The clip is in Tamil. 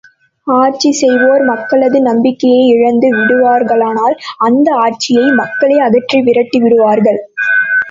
ஆட்சி செய்வோர் மக்களது நம்பிக்கையை இழந்து விடுவார்களானால் அந்த ஆட்சியை மக்களே அகற்றி விரட்டிவிடுவார்கள்.